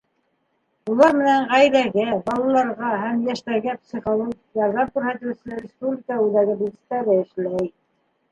Улар менән Ғаиләгә, балаларға һәм йәштәргә психологик ярҙам күрһәтеүсе республика үҙәге белгестәре эшләй.